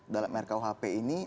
dalam rkuhp ini